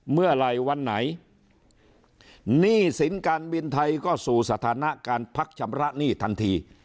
เมื่อไหร่วันไหนหนี้สินการบินไทยก็สู่สถานะการพักชำระหนี้ทันที